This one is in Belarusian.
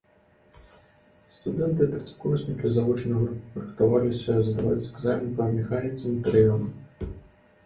Студэнты-трэцякурснікі завочнай групы рыхтаваліся здаваць экзамен па механіцы матэрыялаў.